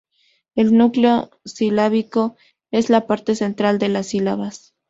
El núcleo silábico es la parte central de las sílabas.